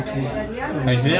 sepitak meledak saja gitu